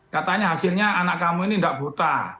katanya hasilnya anak kamu ini tidak buta